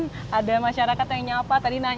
jadi sekarang karyanya ada ocur stadt istana